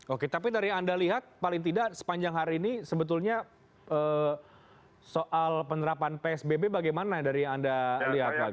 oke tapi dari anda lihat paling tidak sepanjang hari ini sebetulnya soal penerapan psbb bagaimana dari yang anda lihat bagaimana